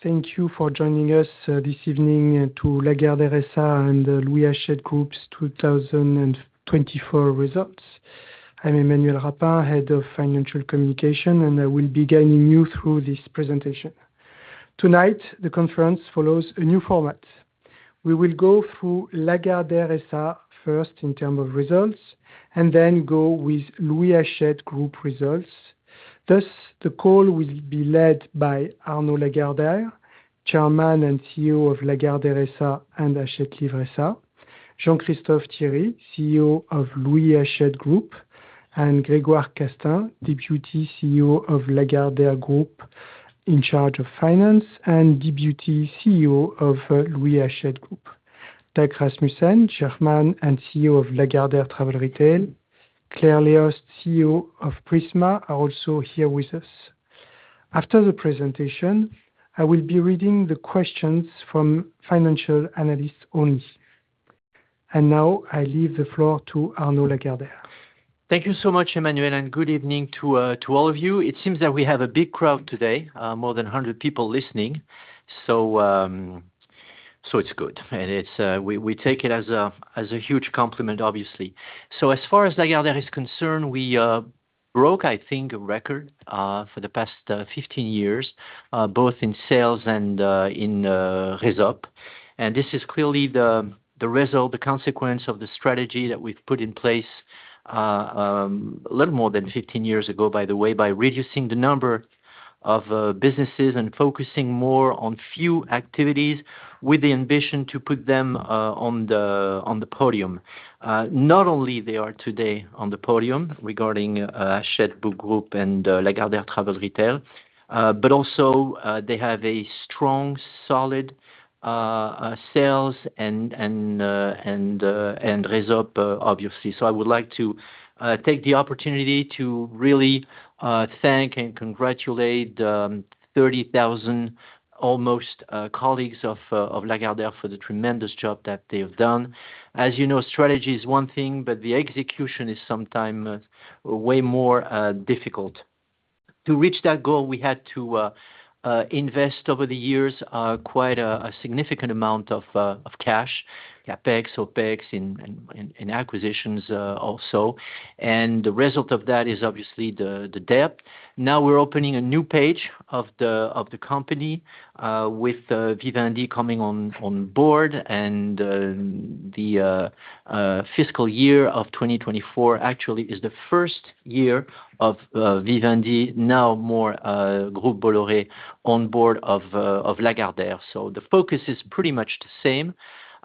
Thank you for joining us this evening to Lagardère SA and Louis Hachette Group's 2024 results. I'm Emmanuel Rapin, Head of Financial Communication, and I will be guiding you through this presentation. Tonight, the conference follows a new format. We will go through Lagardère SA first in terms of results, and then go with Louis Hachette Group results. Thus, the call will be led by Arnaud Lagardère, Chairman and CEO of Lagardère SA and Hachette Livre, Jean-Christophe Thiery, CEO of Louis Hachette Group, and Grégoire Castaing, Deputy CEO of Lagardère Group in charge of finance and Deputy CEO of Louis Hachette Group, Dag Rasmussen, Chairman and CEO of Lagardère Travel Retail, Claire Léost, CEO of Prisma, are also here with us. After the presentation, I will be reading the questions from financial analysts only. Now, I leave the floor to Arnaud Lagardère. Thank you so much, Emmanuel, and good evening to all of you. It seems that we have a big crowd today, more than 100 people listening, so it's good. We take it as a huge compliment, obviously. So, as far as Lagardère is concerned, we broke, I think, a record for the past 15 years, both in sales and in results. And this is clearly the result, the consequence of the strategy that we've put in place a little more than 15 years ago, by the way, by reducing the number of businesses and focusing more on few activities with the ambition to put them on the podium. Not only are they today on the podium regarding Hachette Group and Lagardère Travel Retail, but also they have a strong, solid sales and results, obviously. So, I would like to take the opportunity to really thank and congratulate almost 30,000 colleagues of Lagardère for the tremendous job that they've done. As you know, strategy is one thing, but the execution is sometimes way more difficult. To reach that goal, we had to invest over the years quite a significant amount of cash, CapEx, OpEx, and acquisitions also. And the result of that is obviously the debt. Now, we're opening a new page of the company with Vivendi coming on board, and the fiscal year of 2024 actually is the first year of Vivendi, now Bolloré Group on board of Lagardère. So, the focus is pretty much the same,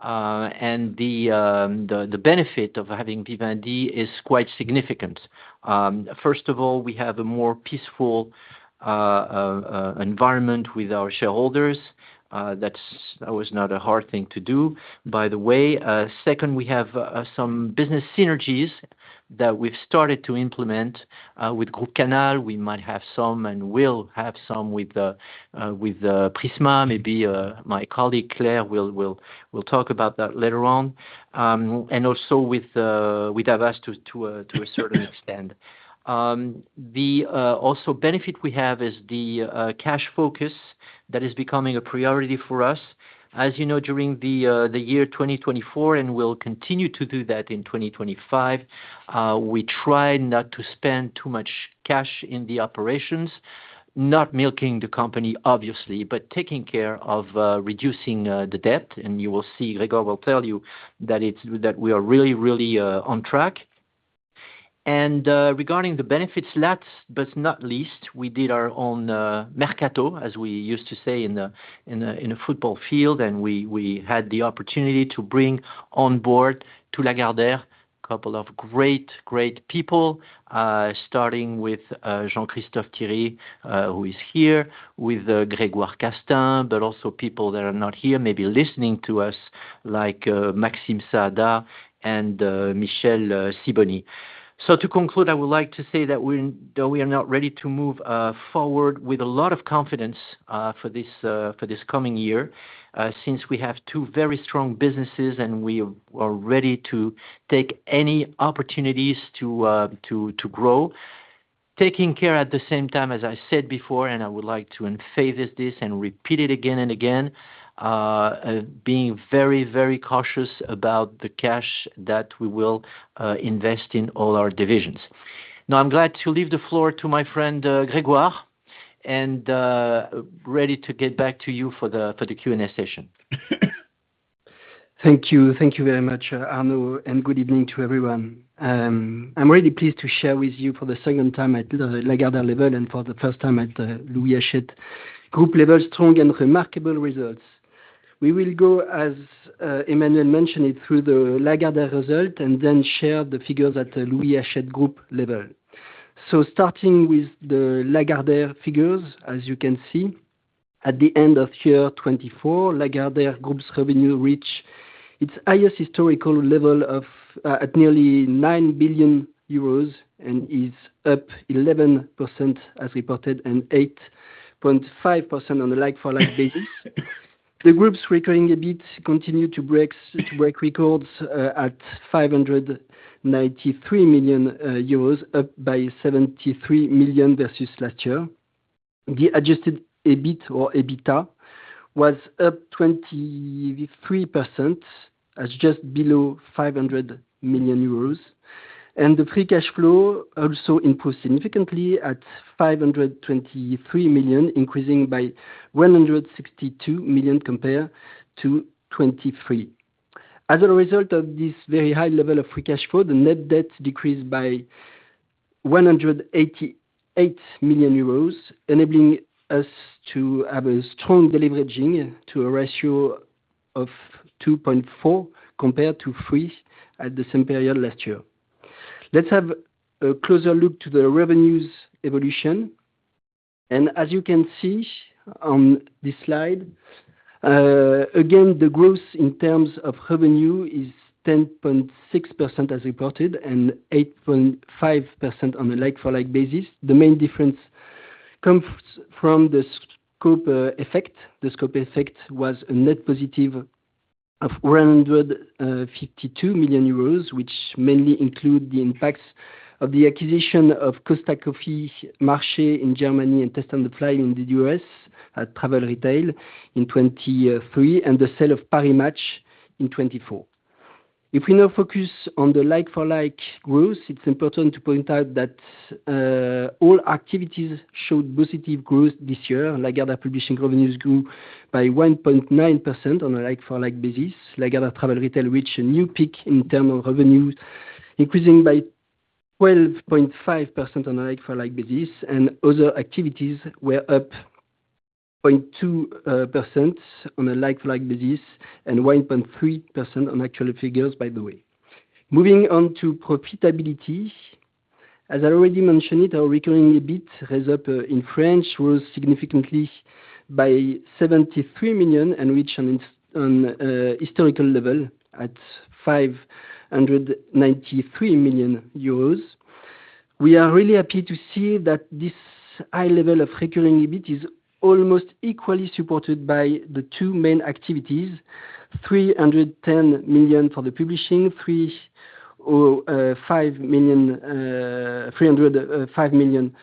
and the benefit of having Vivendi is quite significant. First of all, we have a more peaceful environment with our shareholders. That was not a hard thing to do, by the way. Second, we have some business synergies that we've started to implement with Canal+ Group. We might have some, and we'll have some with Prisma. Maybe my colleague Claire will talk about that later on. And also with Havas to a certain extent. Another benefit we have is the cash focus that is becoming a priority for us. As you know, during the year 2024, and we'll continue to do that in 2025, we try not to spend too much cash in the operations, not milking the company, obviously, but taking care of reducing the debt. You will see, Grégoire will tell you that we are really, really on track. Regarding the benefits, last but not least, we did our own mercato, as we used to say in a football field, and we had the opportunity to bring on board to Lagardère a couple of great, great people, starting with Jean-Christophe Thiery, who is here, with Grégoire Castaing, but also people that are not here, maybe listening to us, like Maxime Saada and Michel Sibony. So, to conclude, I would like to say that we are not ready to move forward with a lot of confidence for this coming year since we have two very strong businesses and we are ready to take any opportunities to grow. Taking care at the same time, as I said before, and I would like to emphasize this and repeat it again and again, being very, very cautious about the cash that we will invest in all our divisions. Now, I'm glad to leave the floor to my friend Grégoire and ready to get back to you for the Q&A session. Thank you. Thank you very much, Arnaud, and good evening to everyone. I'm really pleased to share with you for the second time at Lagardère level and for the first time at Louis Hachette Group level, strong and remarkable results. We will go, as Emmanuel mentioned, through the Lagardère result and then share the figures at the Louis Hachette Group level. So, starting with the Lagardère figures, as you can see, at the end of 2024, Lagardère Group's revenue reached its highest historical level at nearly 9 billion euros and is up 11% as reported and 8.5% on a like-for-like basis. The group's recurring EBIT continued to break records at 593 million euros, up by 73 million versus last year. The adjusted EBIT or EBITA was up 23%, just below 500 million euros. And the free cash flow also improved significantly at 523 million, increasing by 162 million compared to 2023. As a result of this very high level of free cash flow, the net debt decreased by 188 million euros, enabling us to have a strong deleveraging to a ratio of 2.4 compared to 3 at the same period last year. Let's have a closer look to the revenues evolution, and as you can see on this slide, again, the growth in terms of revenue is 10.6% as reported and 8.5% on a like-for-like basis. The main difference comes from the scope effect. The scope effect was a net positive of 152 million euros, which mainly includes the impacts of the acquisition of Costa Coffee, Marché in Germany and Tastes on the Fly in the U.S. at Travel Retail in 2023 and the sale of Paris Match in 2024. If we now focus on the like-for-like growth, it's important to point out that all activities showed positive growth this year. Lagardère Publishing revenues grew by 1.9% on a like-for-like basis. Lagardère Travel Retail reached a new peak in terms of revenue, increasing by 12.5% on a like-for-like basis, and other activities were up 0.2% on a like-for-like basis and 1.3% on actual figures, by the way. Moving on to profitability, as I already mentioned, our recurring EBIT rose significantly by 73 million and reached a historical level at 593 million euros. We are really happy to see that this high level of recurring EBIT is almost equally supported by the two main activities: 310 million for the Publishing, 305 million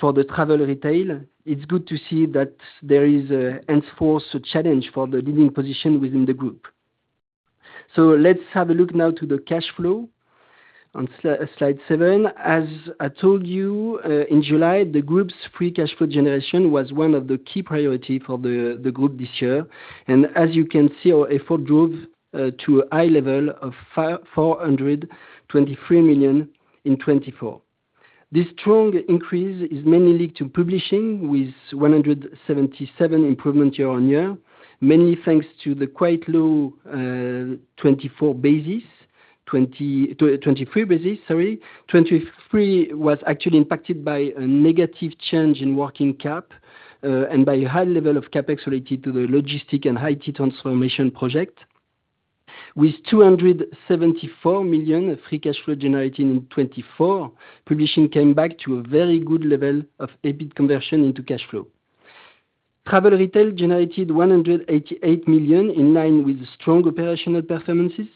for the Travel Retail. It's good to see that there is, henceforth, a challenge for the leading position within the group. Let's have a look now to the cash flow on slide seven. As I told you, in July, the group's free cash flow generation was one of the key priorities for the group this year. As you can see, our effort drove to a high level of 423 million in 2024. This strong increase is mainly linked to Publishing, with 177 million improvement year on year, mainly thanks to the quite low 2023 basis. Sorry, 2023 was actually impacted by a negative change in working cap and by a high level of CapEx related to the logistics and IT transformation project. With 274 million free cash flow generated in 2024, Publishing came back to a very good level of EBIT conversion into cash flow. Travel Retail generated 188 million in line with strong operational performances.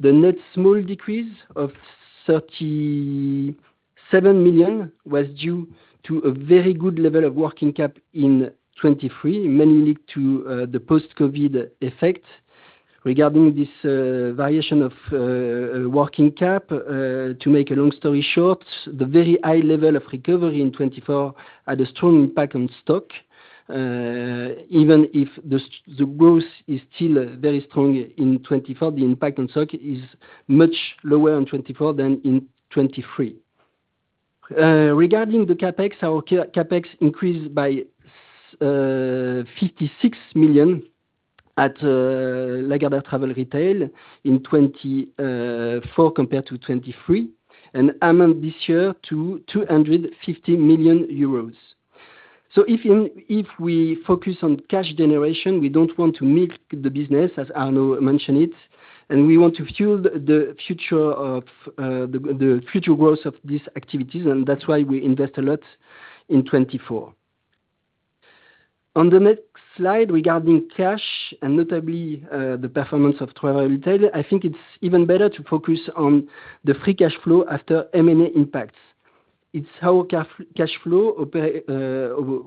The net small decrease of 37 million was due to a very good level of working cap in 2023, mainly linked to the post-COVID effect. Regarding this variation of working cap, to make a long story short, the very high level of recovery in 2024 had a strong impact on stock. Even if the growth is still very strong in 2024, the impact on stock is much lower in 2024 than in 2023. Regarding the CapEx, our CapEx increased by 56 million at Lagardère Travel Retail in 2024 compared to 2023, and amounted this year to 250 million euros. So, if we focus on cash generation, we don't want to milk the business, as Arnaud mentioned it, and we want to fuel the future growth of these activities, and that's why we invest a lot in 2024. On the next slide, regarding cash, and notably the performance of Travel Retail, I think it's even better to focus on the free cash flow after M&A impacts. It's our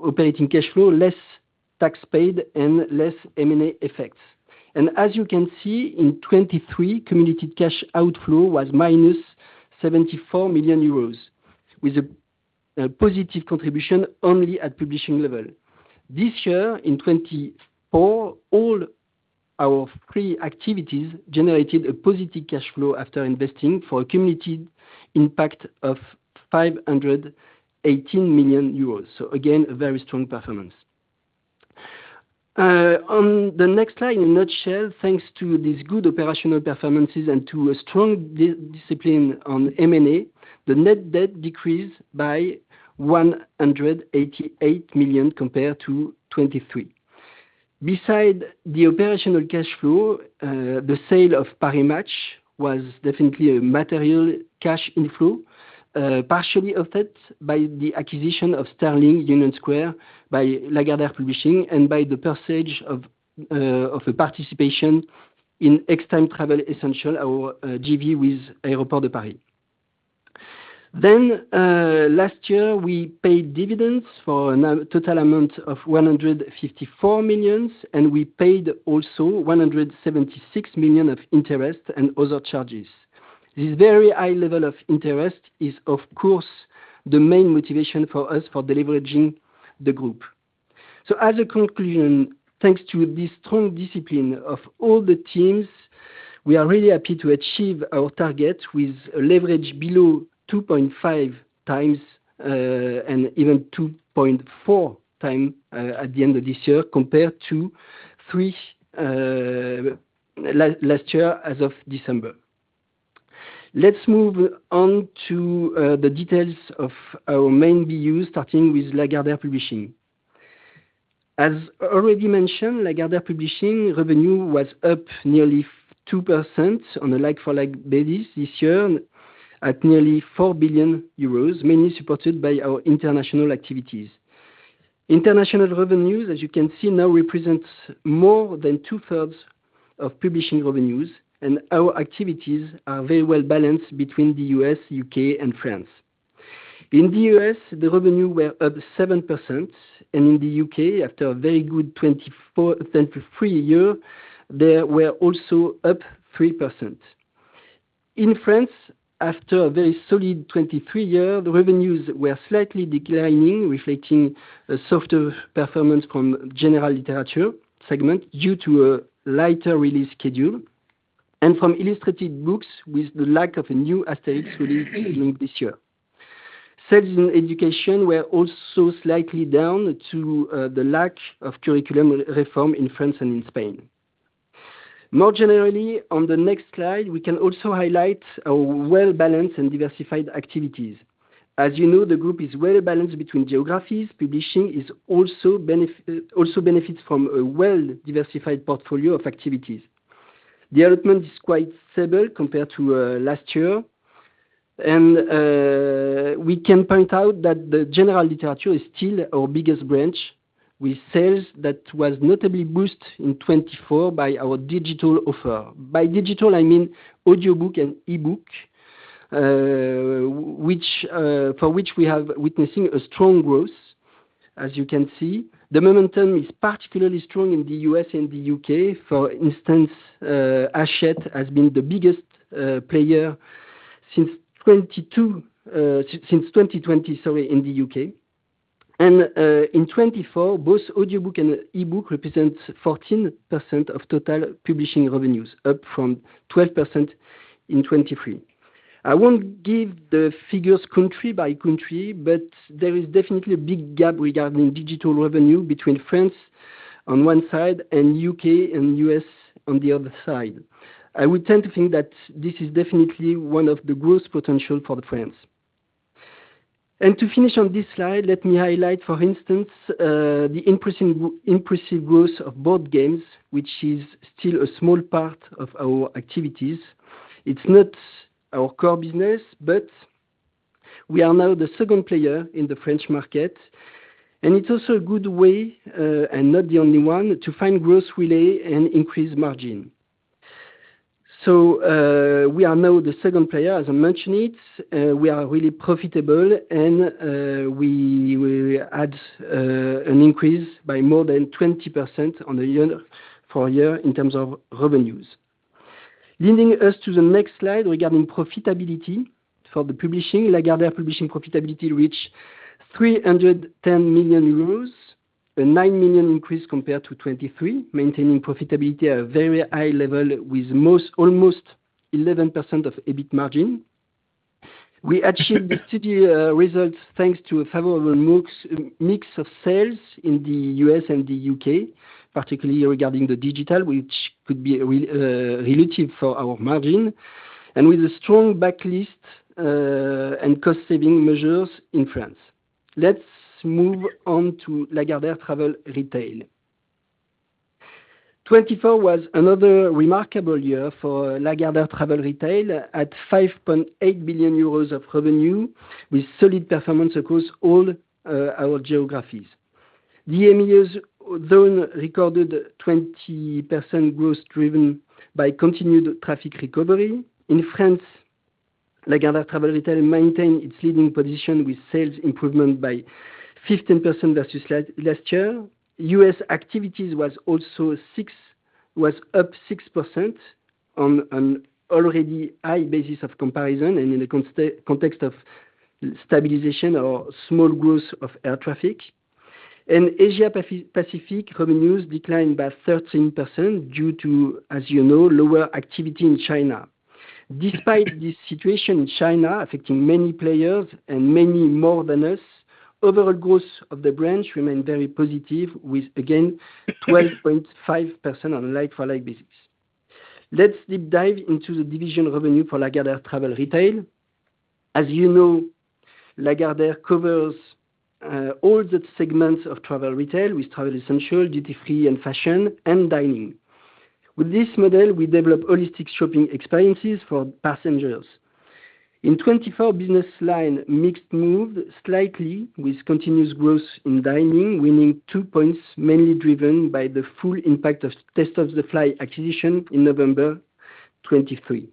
operating cash flow, less tax paid and less M&A effects. And as you can see, in 2023, cumulative cash outflow was minus 74 million euros, with a positive contribution only at Publishing level. This year, in 2024, all our three activities generated a positive cash flow after investing for a cumulative impact of 518 million euros. So, again, a very strong performance. On the next slide, in a nutshell, thanks to these good operational performances and to a strong discipline on M&A, the net debt decreased by 188 million compared to 2023. Besides the operational cash flow, the sale of Paris Match was definitely a material cash inflow, partially affected by the acquisition of Sterling/Union Square by Lagardère Publishing and by the percentage of participation in Extime Travel Essentials, our JV with Aéroports de Paris. Then, last year, we paid dividends for a total amount of 154 million, and we paid also 176 million of interest and other charges. This very high level of interest is, of course, the main motivation for us for deleveraging the group. So, as a conclusion, thanks to this strong discipline of all the teams, we are really happy to achieve our target with a leverage below 2.5x and even 2.4x at the end of this year compared to three last year as of December. Let's move on to the details of our main BU, starting with Lagardère Publishing. As already mentioned, Lagardère Publishing revenue was up nearly 2% on a like-for-like basis this year at nearly 4 billion euros, mainly supported by our international activities. International revenues, as you can see, now represent more than two-thirds of Publishing revenues, and our activities are very well balanced between the U.S., U.K., and France. In the U.S., the revenue was up 7%, and in the U.K., after a very good 2023 year, they were also up 3%. In France, after a very solid 2023 year, the revenues were slightly declining, reflecting a softer performance from the general literature segment due to a lighter release schedule and from illustrated books with the lack of new Asterix released during this year. Sales in education were also slightly down due to the lack of curriculum reform in France and in Spain. More generally, on the next slide, we can also highlight our well-balanced and diversified activities. As you know, the group is well-balanced between geographies. Publishing also benefits from a well-diversified portfolio of activities. Development is quite stable compared to last year. We can point out that the general literature is still our biggest branch, with sales that were notably boosted in 2024 by our digital offer. By digital, I mean audiobook and e-book, for which we are witnessing a strong growth, as you can see. The momentum is particularly strong in the U.S. and the U.K. For instance, Hachette has been the biggest player since 2020, sorry, in the U.K. In 2024, both audiobook and e-book represent 14% of total publishing revenues, up from 12% in 2023. I won't give the figures country by country, but there is definitely a big gap regarding digital revenue between France on one side and the U.K. and the U.S. on the other side. I would tend to think that this is definitely one of the growth potentials for France. To finish on this slide, let me highlight, for instance, the impressive growth of board games, which is still a small part of our activities. It's not our core business, but we are now the second player in the French market. It's also a good way, and not the only one, to find growth relay and increase margin. We are now the second player, as I mentioned it. We are really profitable, and we had an increase by more than 20% for a year in terms of revenues. Leading us to the next slide regarding profitability for the publishing, Lagardère Publishing profitability reached 310 million euros, a 9 million increase compared to 2023, maintaining profitability at a very high level with almost 11% EBIT margin. We achieved these results thanks to a favorable mix of sales in the U.S. and the U.K., particularly regarding the digital, which could be relevant for our margin, and with a strong backlist and cost-saving measures in France. Let's move on to Lagardère Travel Retail. 24 was another remarkable year for Lagardère Travel Retail at 5.8 billion euros of revenue, with solid performance across all our geographies. The EMEA zone recorded 20% growth driven by continued traffic recovery. In France, Lagardère Travel Retail maintained its leading position with sales improvement by 15% versus last year. U.S. activities was up 6% on an already high basis of comparison and in the context of stabilization or small growth of air traffic. Asia-Pacific revenues declined by 13% due to, as you know, lower activity in China. Despite this situation in China affecting many players and many more than us, overall growth of the branch remained very positive, with, again, 12.5% on a like-for-like basis. Let's deep dive into the division revenue for Lagardère Travel Retail. As you know, Lagardère covers all the segments of Travel Retail with travel essentials, Duty Free, and fashion, and dining. With this model, we develop holistic shopping experiences for passengers. In 2024, business line mix moved slightly with continuous growth in dining, winning two points, mainly driven by the full impact of Tastes on the Fly acquisition in November 2023.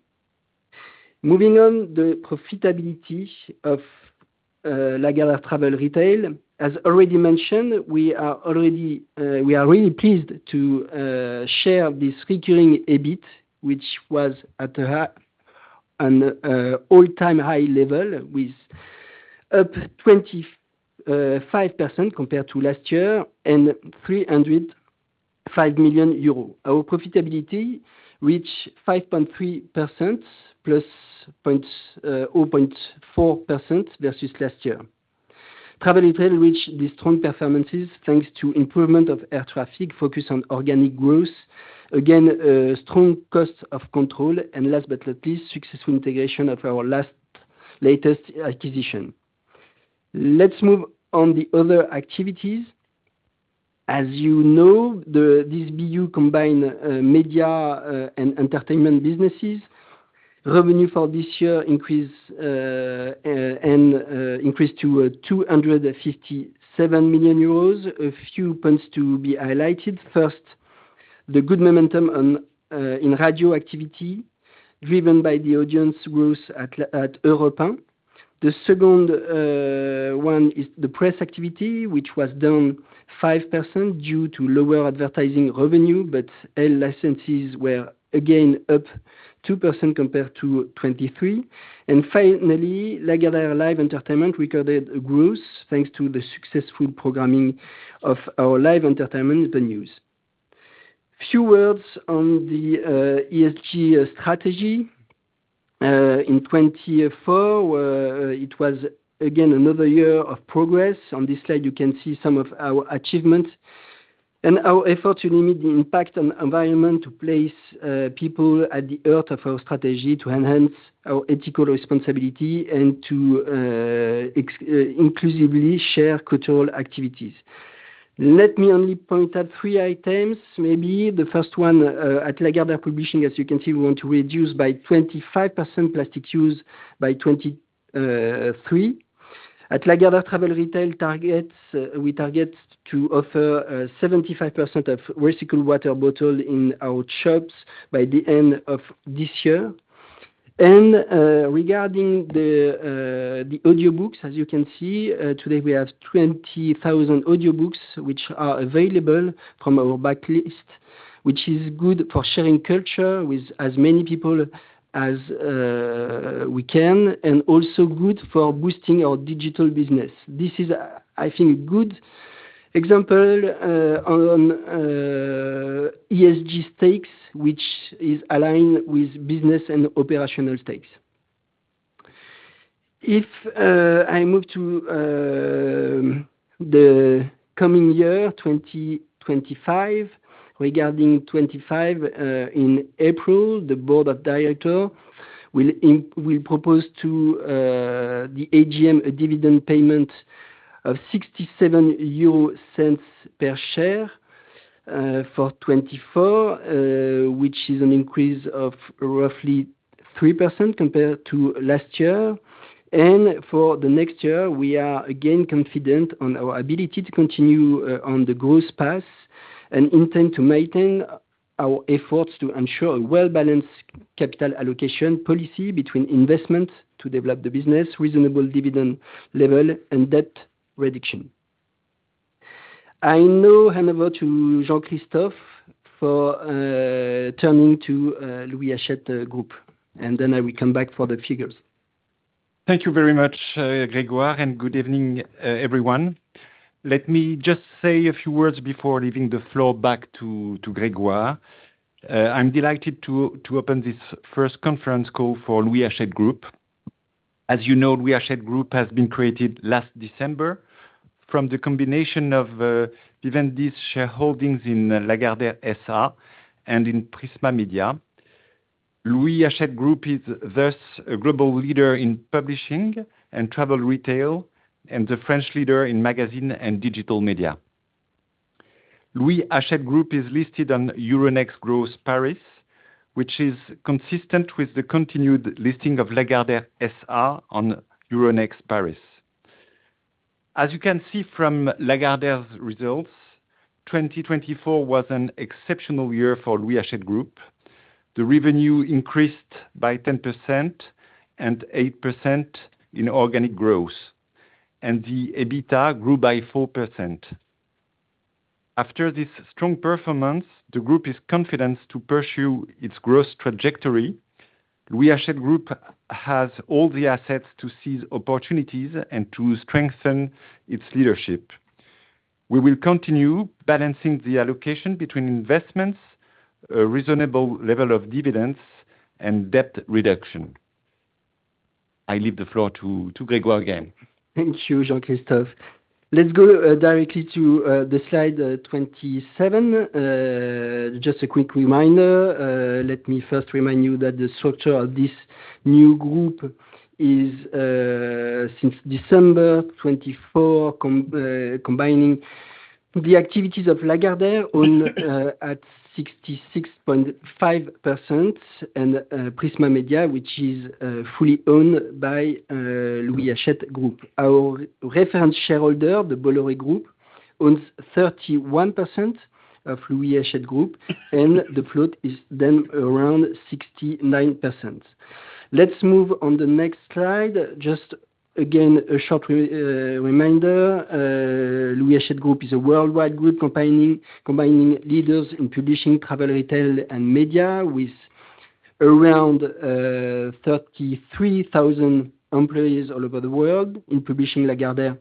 Moving on, the profitability of Lagardère Travel Retail. As already mentioned, we are really pleased to share this recurring EBIT, which was at an all-time high level, with up 25% compared to last year and 305 million euros. Our profitability reached 5.3% plus 0.4% versus last year. Travel Retail reached these strong performances thanks to improvement of air traffic, focus on organic growth, again, strong cost control, and last but not least, successful integration of our latest acquisition. Let's move on to the other activities. As you know, this BU combines media and entertainment businesses. Revenue for this year increased to 257 million euros. A few points to be highlighted. First, the good momentum in radio activity driven by the audience growth at Europe 1. The second one is the press activity, which was down 5% due to lower advertising revenue, but licensing were, again, up 2% compared to 2023, and finally, Lagardère Live Entertainment recorded growth thanks to the successful programming of our live entertainment venues. Few words on the ESG strategy. In 2024, it was, again, another year of progress. On this slide, you can see some of our achievements and our effort to limit the impact on the environment, to place people at the heart of our strategy, to enhance our ethical responsibility, and to inclusively share cultural activities. Let me only point out three items, maybe. The first one, at Lagardère Publishing, as you can see, we want to reduce by 25% plastic use by 2023. At Lagardère Travel Retail, we target to offer 75% of recyclable water bottles in our shops by the end of this year. And regarding the audiobooks, as you can see, today we have 20,000 audiobooks which are available from our backlist, which is good for sharing culture with as many people as we can and also good for boosting our digital business. This is, I think, a good example on ESG stakes, which is aligned with business and operational stakes. If I move to the coming year, 2025, regarding 2025, in April, the board of directors will propose to the AGM a dividend payment of 67 euro per share for 2024, which is an increase of roughly 3% compared to last year. And for the next year, we are again confident on our ability to continue on the growth path and intend to maintain our efforts to ensure a well-balanced capital allocation policy between investment to develop the business, reasonable dividend level, and debt reduction. I now hand over to Jean-Christophe for turning to Louis Hachette Group. And then I will come back for the figures. Thank you very much, Grégoire, and good evening, everyone. Let me just say a few words before leaving the floor back to Grégoire. I'm delighted to open this first conference call for Louis Hachette Group. As you know, Louis Hachette Group has been created last December from the combination of Vivendi's shareholdings in Lagardère SA and in Prisma Media. Louis Hachette Group is thus a global leader in Publishing and Travel Retail and the French leader in magazine and digital media. Louis Hachette Group is listed on Euronext Growth Paris, which is consistent with the continued listing of Lagardère SA on Euronext Paris. As you can see from Lagardère's results, 2024 was an exceptional year for Louis Hachette Group. The revenue increased by 10% and 8% in organic growth, and the EBITDA grew by 4%. After this strong performance, the group is confident to pursue its growth trajectory. Louis Hachette Group has all the assets to seize opportunities and to strengthen its leadership. We will continue balancing the allocation between investments, a reasonable level of dividends, and debt reduction. I leave the floor to Grégoire again. Thank you, Jean-Christophe. Let's go directly to the slide 27. Just a quick reminder, let me first remind you that the structure of this new group is since December 24, combining the activities of Lagardère at 66.5% and Prisma Media, which is fully owned by Louis Hachette Group. Our reference shareholder, the Bolloré Group, owns 31% of Louis Hachette Group, and the float is then around 69%. Let's move on to the next slide. Just again, a short reminder, Louis Hachette Group is a worldwide group combining leaders in Publishing, Travel Retail, and Media with around 33,000 employees all over the world. In Publishing, Lagardère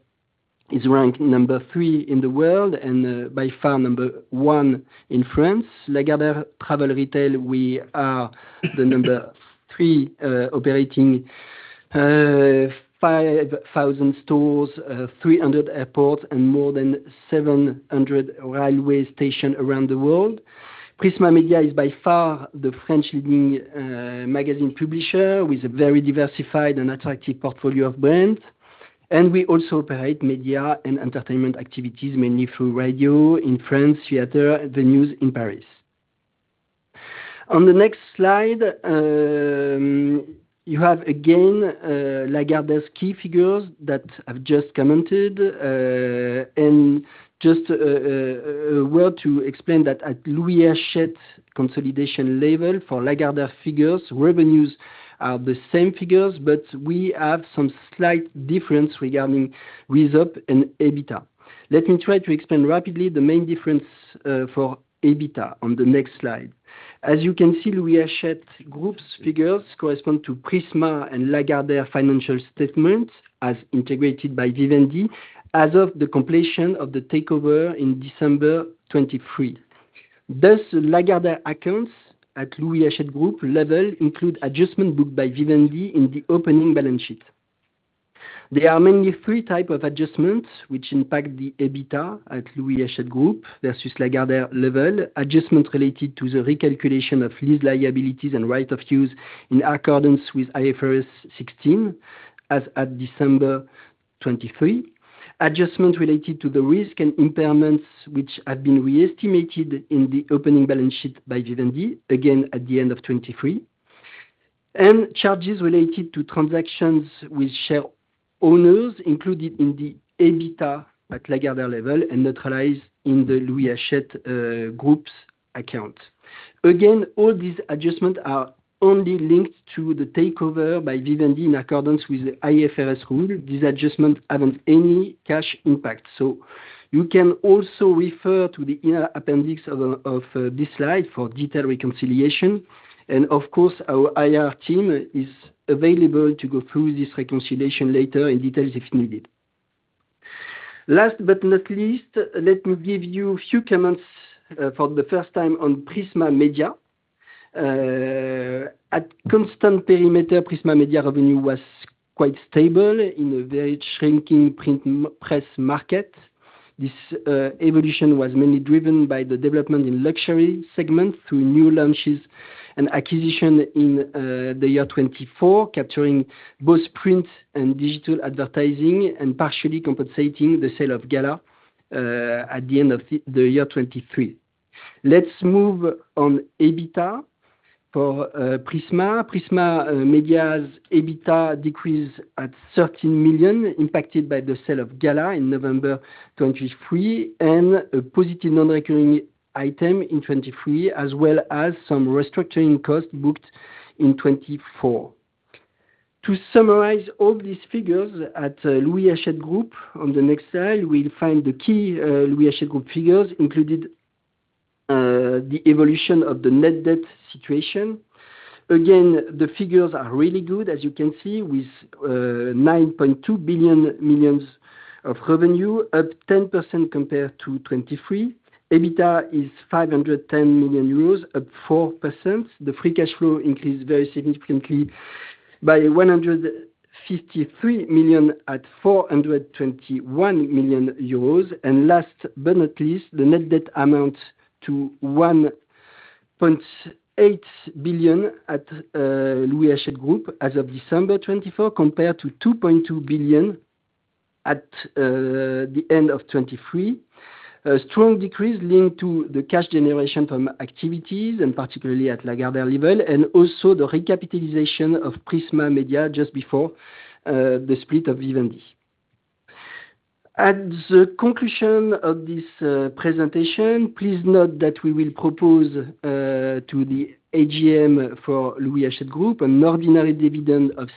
is ranked number three in the world and by far number one in France. Lagardère Travel Retail, we are the number three operating 5,000 stores, 300 airports, and more than 700 railway stations around the world. Prisma Media is by far the French leading magazine publisher with a very diversified and attractive portfolio of brands. And we also operate media and entertainment activities, mainly through radio in France, theater, and the news in Paris. On the next slide, you have again Lagardère's key figures that I've just commented. And just a word to explain that at Louis Hachette consolidation level for Lagardère figures, revenues are the same figures, but we have some slight difference regarding result and EBITDA. Let me try to explain rapidly the main difference for EBITDA on the next slide. As you can see, Louis Hachette Group's figures correspond to Prisma and Lagardère financial statements as integrated by Vivendi as of the completion of the takeover in December 2023. Thus, Lagardère accounts at Louis Hachette Group level include adjustments booked by Vivendi in the opening balance sheet. There are mainly three types of adjustments which impact the EBITA at Louis Hachette Group versus Lagardère level: adjustments related to the recalculation of lease liabilities and right of use in accordance with IFRS 16 as at December 2023. Adjustments related to the risk and impairments which have been re-estimated in the opening balance sheet by Vivendi, again at the end of 2023. And charges related to transactions with share owners included in the EBITA at Lagardère level and neutralized in the Louis Hachette Group's accounts. Again, all these adjustments are only linked to the takeover by Vivendi in accordance with the IFRS rule. These adjustments haven't any cash impact. So you can also refer to in an appendix of this slide for detailed reconciliation. Of course, our IR team is available to go through this reconciliation later in detail if needed. Last but not least, let me give you a few comments for the first time on Prisma Media. At constant perimeter, Prisma Media revenue was quite stable in a very shrinking print press market. This evolution was mainly driven by the development in the luxury segment through new launches and acquisitions in the year 2024, capturing both print and digital advertising and partially compensating the sale of Gala at the end of the year 2023. Let's move on EBITDA for Prisma. Prisma Media's EBITDA decreased at 13 million, impacted by the sale of Gala in November 2023 and a positive non-recurring item in 2023, as well as some restructuring costs booked in 2024. To summarize all these figures at Louis Hachette Group, on the next slide, we'll find the key Louis Hachette Group figures included the evolution of the net debt situation. Again, the figures are really good, as you can see, with 9.2 billion of revenue, up 10% compared to 2023. EBITDA is 510 million euros, up 4%. The free cash flow increased very significantly by 153 million at 421 million euros. And last but not least, the net debt amounts to 1.8 billion at Louis Hachette Group as of December 2024 compared to 2.2 billion at the end of 2023. A strong decrease linked to the cash generation from activities, and particularly at Lagardère level, and also the recapitalization of Prisma Media just before the split of Vivendi. At the conclusion of this presentation, please note that we will propose to the AGM for Louis Hachette Group an ordinary dividend of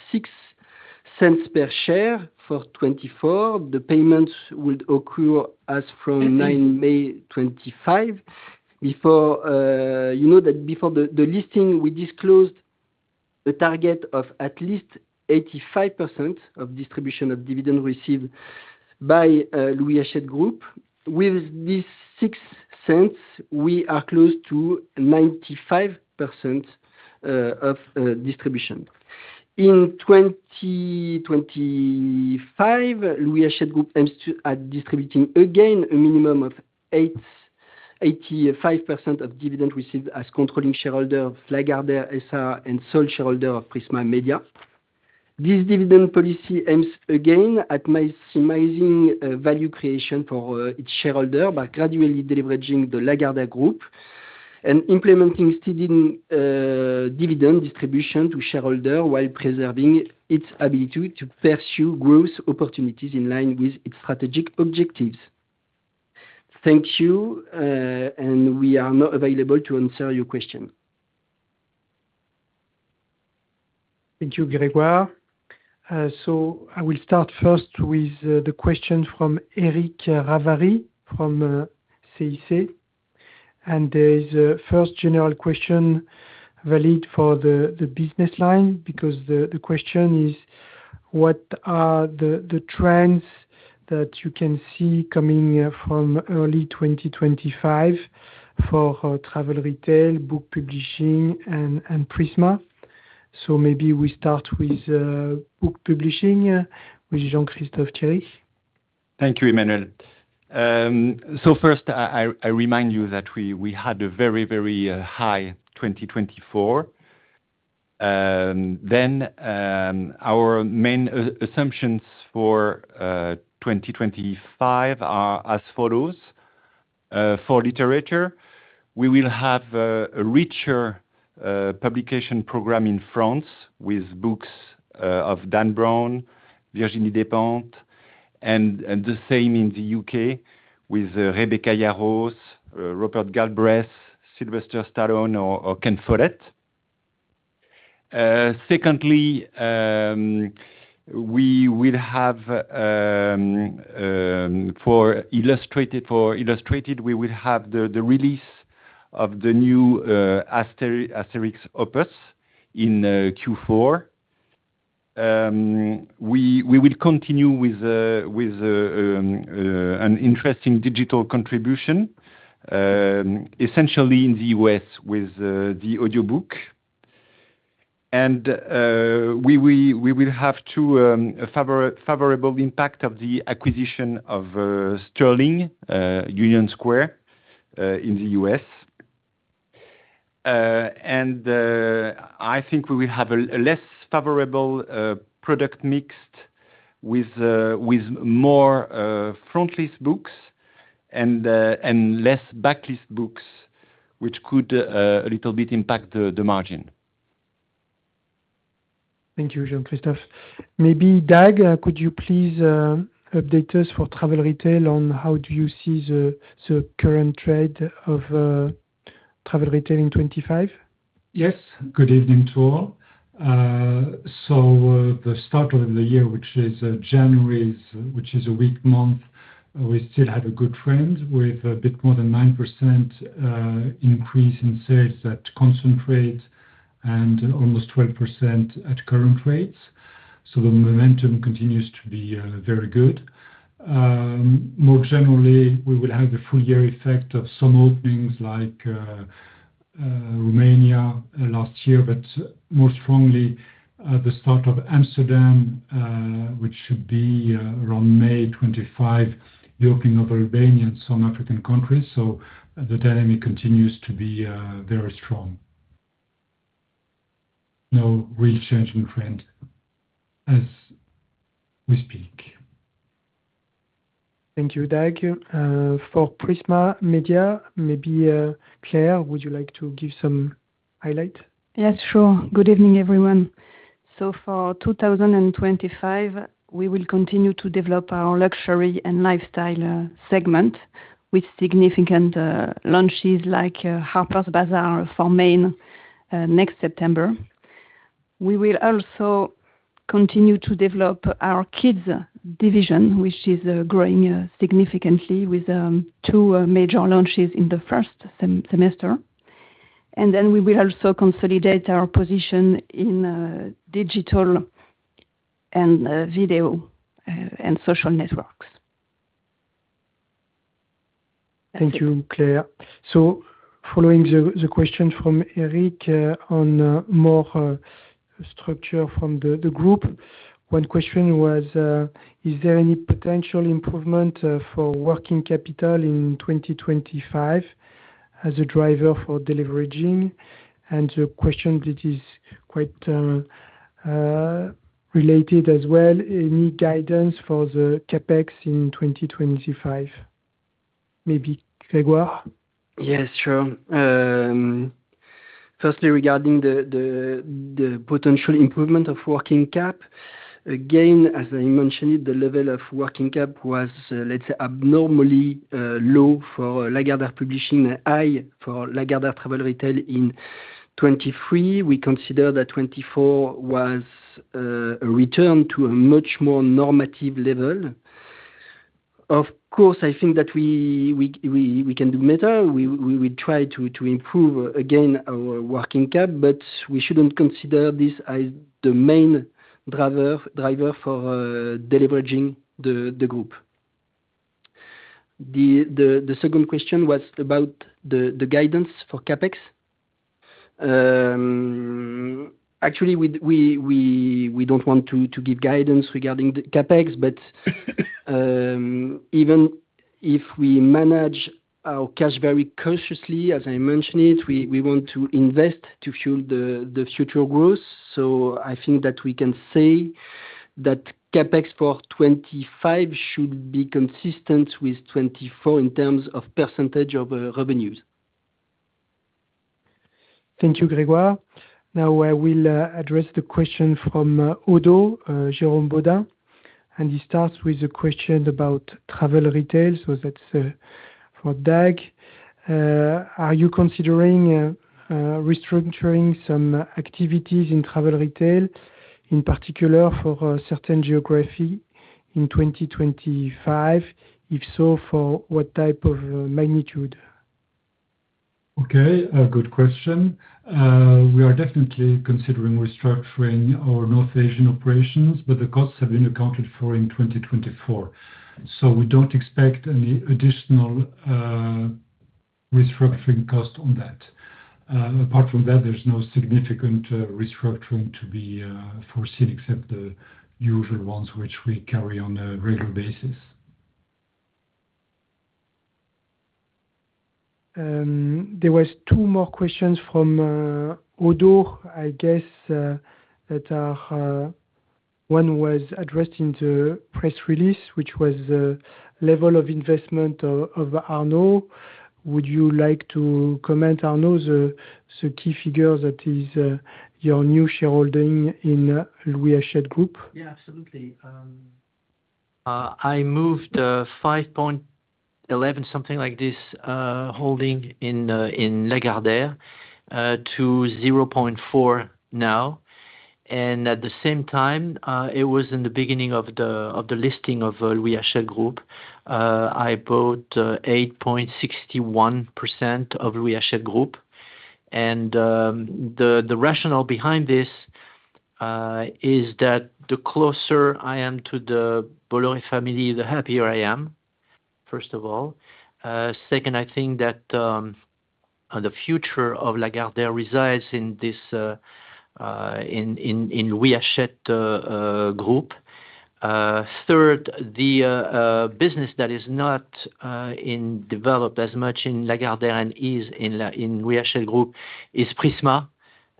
0.06 per share for 2024. The payments will occur as from 9 May 2025. You know that before the listing, we disclosed a target of at least 85% of distribution of dividend received by Louis Hachette Group. With these 0.06, we are close to 95% of distribution. In 2025, Louis Hachette Group aims to distribute again a minimum of 85% of dividend received as controlling shareholder of Lagardère SA and sole shareholder of Prisma Media. This dividend policy aims again at maximizing value creation for its shareholder by gradually leveraging the Lagardère Group and implementing steady dividend distribution to shareholders while preserving its ability to pursue growth opportunities in line with its strategic objectives. Thank you, and we are now available to answer your question. Thank you, Grégoire. So I will start first with the question from Eric Ravary from CIC. There is a first general question valid for the business line because the question is, what are the trends that you can see coming from early 2025 for Travel Retail, Book Publishing, and Prisma. So maybe we start with book publishing with Jean-Christophe Thiery. Thank you, Emmanuel. So first, I remind you that we had a very, very high 2024. Then our main assumptions for 2025 are as follows: for literature, we will have a richer publication program in France with books of Dan Brown, Virginie Despentes, and the same in the U.K. with Rebecca Yarros, Robert Galbraith, Sylvester Stallone, or Ken Follett. Secondly, we will have for illustrated, we will have the release of the new Asterix opus in Q4. We will continue with an interesting digital contribution, essentially in the U.S. with the audiobook. We will have the favorable impact of the acquisition of Sterling/Union Square in the U.S. I think we will have a less favorable product mix with more frontlist books and less backlist books, which could a little bit impact the margin. Thank you, Jean-Christophe. Maybe Dag, could you please update us for Travel Retail on how do you see the current trend of Travel Retail in 2025? Yes. Good evening to all. So the start of the year, which is January, which is a weak month, we still have a good trend with a bit more than 9% increase in sales at constant and almost 12% at current rates. So the momentum continues to be very good. More generally, we will have the full year effect of some openings like Romania last year, but more strongly at the start of Amsterdam, which should be around May 25, the opening of Albania and some African countries. So the dynamic continues to be very strong. No real change in trend as we speak. Thank you, Dag. For Prisma Media, maybe Claire, would you like to give some highlight? Yes, sure. Good evening, everyone. So for 2025, we will continue to develop our luxury and lifestyle segment with significant launches like Harper's Bazaar for France next September. We will also continue to develop our kids' division, which is growing significantly with two major launches in the first semester. And then we will also consolidate our position in digital and video and social networks. Thank you, Claire. So following the question from Eric on more structure from the group, one question was, is there any potential improvement for working capital in 2025 as a driver for delivery? And the question that is quite related as well, any guidance for the CapEx in 2025? Maybe Grégoire? Yes, sure. Firstly, regarding the potential improvement of working cap, again, as I mentioned, the level of working cap was, let's say, abnormally low for Lagardère Publishing and high for Lagardère Travel Retail in 2023. We consider that 2024 was a return to a much more normative level. Of course, I think that we can do better. We will try to improve again our working cap, but we shouldn't consider this as the main driver for delivering the group. The second question was about the guidance for CapEx. Actually, we don't want to give guidance regarding the CapEx, but even if we manage our cash very cautiously, as I mentioned, we want to invest to fuel the future growth. So I think that we can say that CapEx for 2025 should be consistent with 2024 in terms of percentage of revenues. Thank you, Grégoire. Now, I will address the question from Oddo, Jérôme Bodin. And he starts with a question about Travel Retail. So that's for Dag. Are you considering restructuring some activities in Travel Retail, in particular for certain geographies in 2025? If so, for what type of magnitude? Okay. Good question. We are definitely considering restructuring our North Asian operations, but the costs have been accounted for in 2024. So we don't expect any additional restructuring cost on that. Apart from that, there's no significant restructuring to be foreseen except the usual ones, which we carry on a regular basis. There were two more questions from Oddo, I guess, that one was addressed in the press release, which was the level of investment of Arnaud. Would you like to comment, Arnaud, the key figure that is your new shareholding in Louis Hachette Group? Yeah, absolutely. I moved 5.11%, something like this, holding in Lagardère to 0.4% now. And at the same time, it was in the beginning of the listing of Louis Hachette Group. I bought 8.61% of Louis Hachette Group. And the rationale behind this is that the closer I am to the Bolloré family, the happier I am, first of all. Second, I think that the future of Lagardère resides in Louis Hachette Group. Third, the business that is not developed as much in Lagardère and is in Louis Hachette Group is Prisma.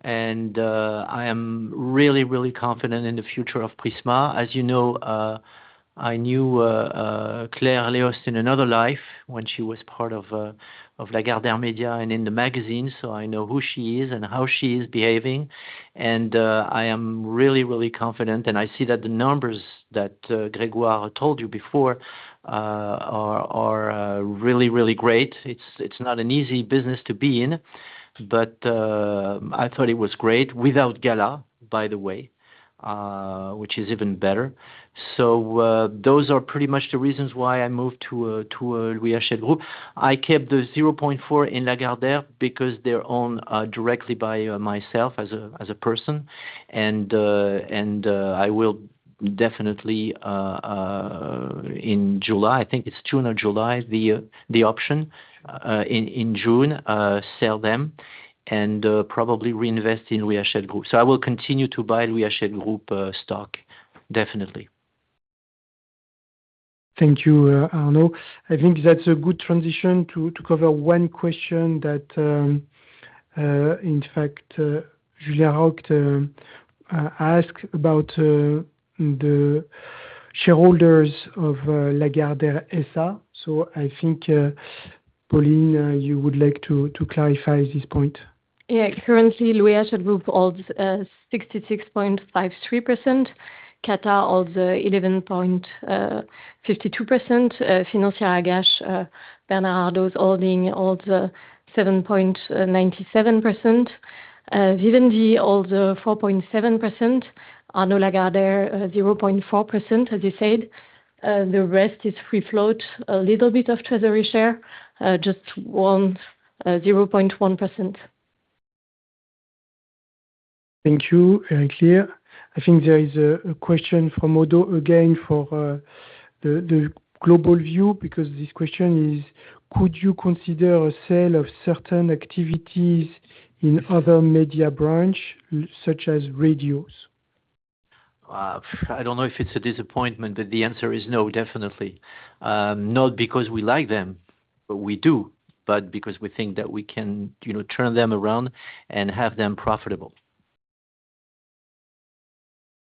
And I am really, really confident in the future of Prisma. As you know, I knew Claire Léost in another life when she was part of Lagardère Media and in the magazine. So I know who she is and how she is behaving. And I am really, really confident. And I see that the numbers that Grégoire told you before are really, really great. It's not an easy business to be in, but I thought it was great without Gala, by the way, which is even better. So those are pretty much the reasons why I moved to Louis Hachette Group. I kept the 0.4 in Lagardère because they're owned directly by myself as a person. And I will definitely, in July, I think it's June or July, the option in June sell them and probably reinvest in Louis Hachette Group. So I will continue to buy Louis Hachette Group stock, definitely. Thank you, Arnaud. I think that's a good transition to cover one question that, in fact, Julien Roch asked about the shareholders of Lagardère SA. So I think, Pauline, you would like to clarify this point. Yeah. Currently, Louis Hachette Group holds 66.53%. Qatar holds 11.52%. Financière Agache, Bernard Arnault's holding holds 7.97%. Vivendi holds 4.7%. Arnaud Lagardère, 0.4%, as you said. The rest is free float, a little bit of treasury share, just 0.1%. Thank you. Very clear. I think there is a question from Oddo again for the global view because this question is, could you consider a sale of certain activities in other media branches, such as radios? I don't know if it's a disappointment, but the answer is no, definitely. Not because we like them, but we do, but because we think that we can turn them around and have them profitable.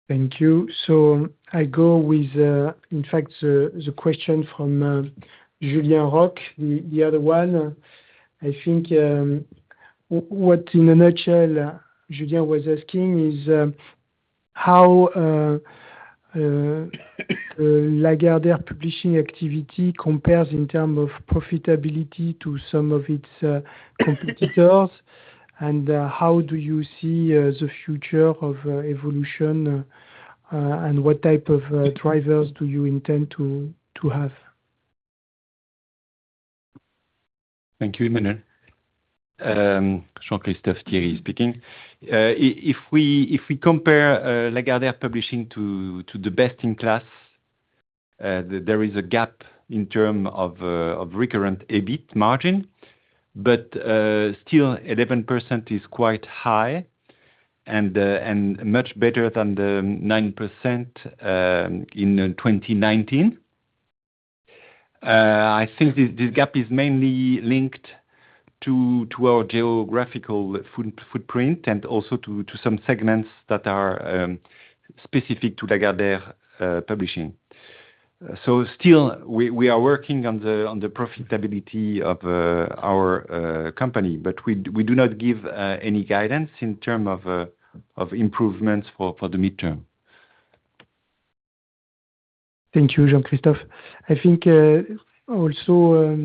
Thank you. So I go with, in fact, the question from Julien Roch, the other one. I think what in a nutshell, Julien was asking is how the Lagardère Publishing activity compares in terms of profitability to some of its competitors. And how do you see the future of evolution and what type of drivers do you intend to have? Thank you, Emmanuel. Jean-Christophe Thiery speaking. If we compare Lagardère Publishing to the best in class, there is a gap in terms of Recurring EBIT margin, but still, 11% is quite high and much better than the 9% in 2019. I think this gap is mainly linked to our geographical footprint and also to some segments that are specific to Lagardère Publishing. So still, we are working on the profitability of our company, but we do not give any guidance in terms of improvements for the midterm. Thank you, Jean-Christophe. I think also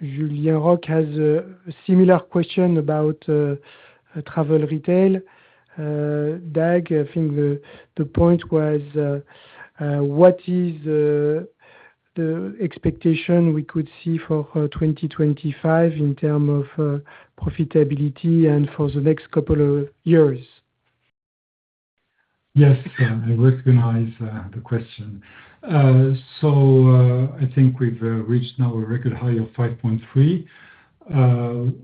Julien Roch has a similar question about Travel Retail. Dag, I think the point was what is the expectation we could see for 2025 in terms of profitability and for the next couple of years? Yes. I recognize the question. So I think we've reached now a record high of 5.3%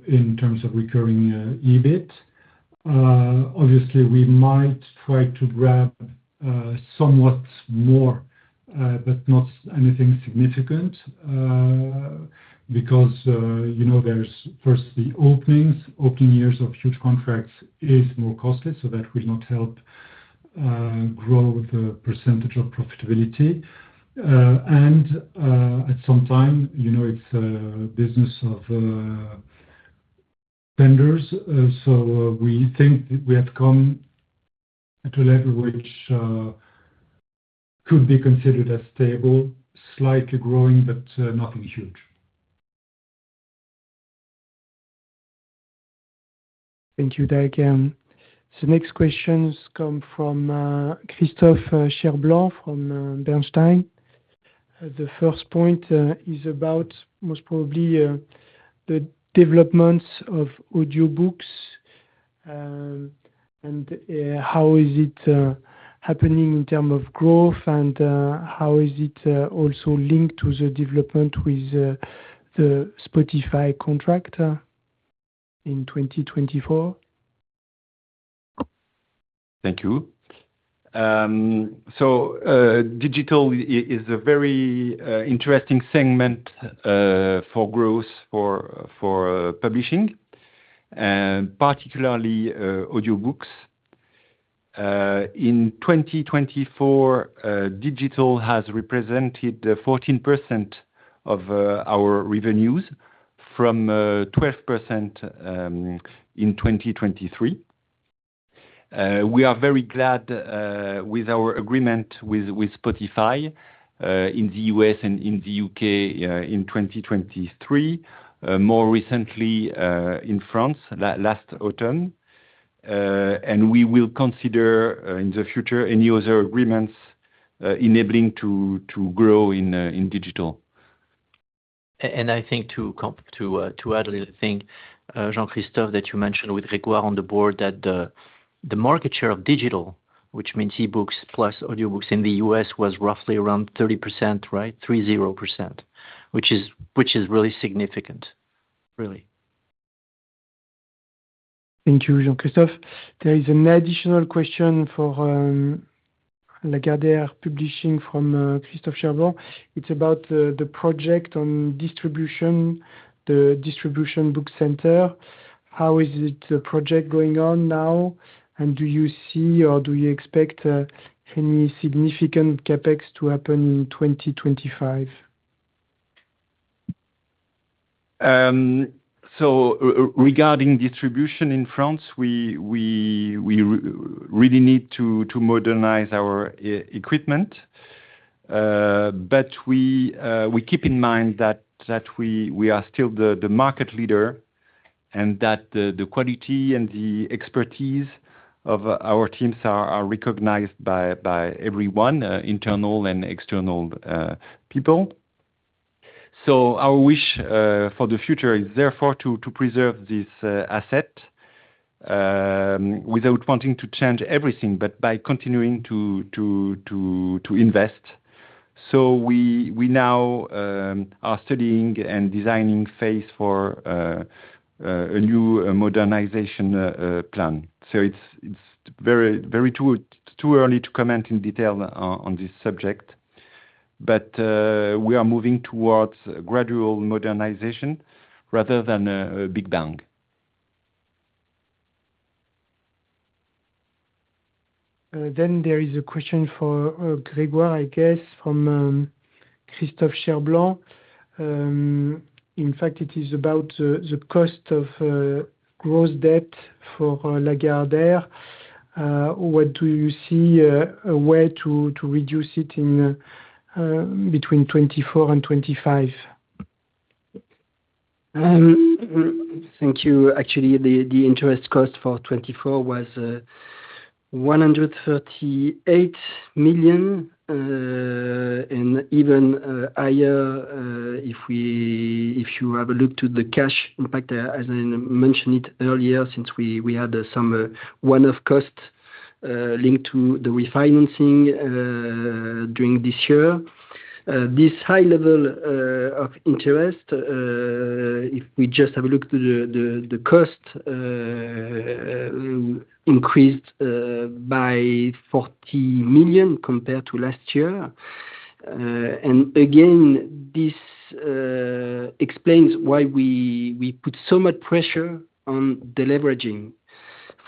in terms of recurring EBIT. Obviously, we might try to grab somewhat more, but not anything significant because there's first the openings. Opening years of huge contracts is more costly, so that will not help grow the percentage of profitability. At some time, it's a business of vendors. We think we have come to a level which could be considered as stable, slightly growing, but nothing huge. Thank you, Dag. Next questions come from Christophe Cherblanc from Bernstein. The first point is about most probably the developments of audiobooks and how is it happening in terms of growth and how is it also linked to the development with the Spotify contract in 2024? Thank you. Digital is a very interesting segment for growth for publishing, particularly audiobooks. In 2024, Digital has represented 14% of our revenues from 12% in 2023. We are very glad with our agreement with Spotify in the U.S. and in the U.K. in 2023, more recently in France last autumn. We will consider in the future any other agreements enabling to grow in digital. I think to add a little thing, Jean-Christophe, that you mentioned with Grégoire on the board that the market share of Digital, which means e-books plus audiobooks in the U.S., was roughly around 30%, right? 30%, which is really significant, really. Thank you, Jean-Christophe. There is an additional question for Lagardère Publishing from Christophe Cherblanc. It's about the project on distribution, the distribution book center. How is the project going on now? And do you see or do you expect any significant CapEx to happen in 2025? Regarding distribution in France, we really need to modernize our equipment. We keep in mind that we are still the market leader and that the quality and the expertise of our teams are recognized by everyone, internal and external people. Our wish for the future is therefore to preserve this asset without wanting to change everything, but by continuing to invest. We now are studying and designing phase for a new modernization plan. It's far too early to comment in detail on this subject, but we are moving towards gradual modernization rather than a big bang. There is a question for Grégoire, I guess, from Christophe Cherblanc. In fact, it is about the cost of gross debt for Lagardère. What do you see a way to reduce it between 2024 and 2025? Thank you. Actually, the interest cost for 2024 was 138 million and even higher if you have a look to the cash impact, as I mentioned it earlier, since we had some one-off costs linked to the refinancing during this year. This high level of interest, if we just have a look to the cost, increased by 40 million compared to last year. And again, this explains why we put so much pressure on the leveraging.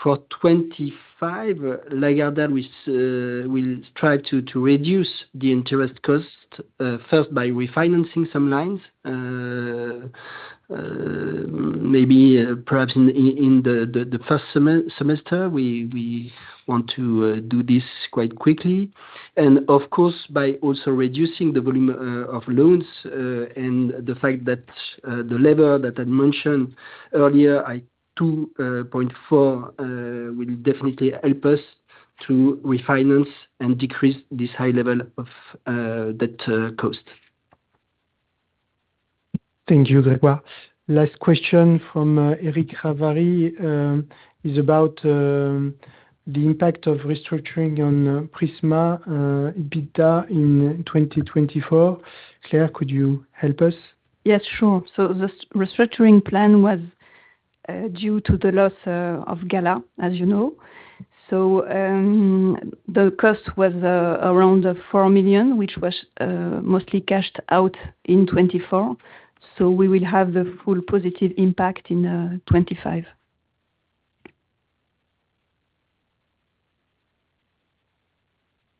For 2025, Lagardère will try to reduce the interest cost first by refinancing some lines, maybe perhaps in the first semester. We want to do this quite quickly. And of course, by also reducing the volume of loans and the fact that the lever that I mentioned earlier, 2.4, will definitely help us to refinance and decrease this high level of debt cost. Thank you, Grégoire. Last question from Eric Ravary is about the impact of restructuring on Prisma EBITDA in 2024. Claire, could you help us? Yes, sure. So the restructuring plan was due to the loss of Gala, as you know. So the cost was around four million, which was mostly cashed out in 2024. So we will have the full positive impact in 2025.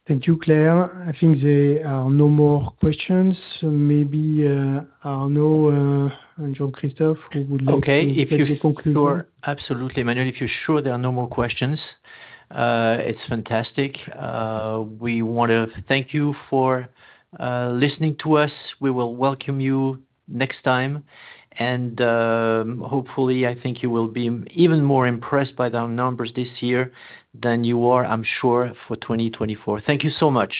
Thank you, Claire. I think there are no more questions. Maybe Arnaud and Jean-Christophe, who would like to conclude? Okay. If you're sure, absolutely, Emmanuel, if you're sure there are no more questions, it's fantastic. We want to thank you for listening to us. We will welcome you next time. And hopefully, I think you will be even more impressed by the numbers this year than you are, I'm sure, for 2024. Thank you so much.